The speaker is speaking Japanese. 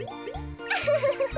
ウフフフフ。